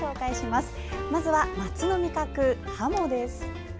まずは夏の味覚、ハモです。